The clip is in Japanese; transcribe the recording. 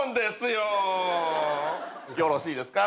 よろしいですか？